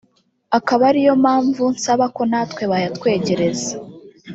akaba ariyo mpamvu nsaba ko natwe bayatwegereza